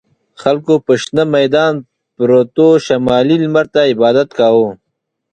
خلکو په شنه میدان پروتو شمالي لمر ته عبادت کاوه.